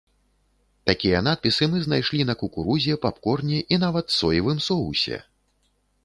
Такія надпісы мы знайшлі на кукурузе, папкорне і нават соевым соусе!